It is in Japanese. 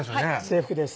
制服です